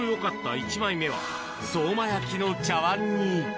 １枚目は相馬焼の茶わんに。